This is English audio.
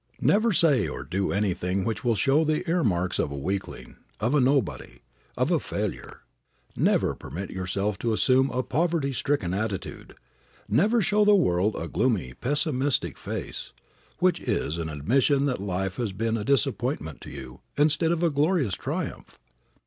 Never say or do anything which will show the earmarks of a weakling, of a nobody, of a failure. Never permit yourself to assume a poverty stricken attitude. Never show the world a gloomy, pessimistic face, which is an admission that life has been a disappointment to you instead of a glorious triumph.